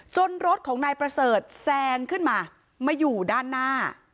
รถของนายประเสริฐแซงขึ้นมามาอยู่ด้านหน้า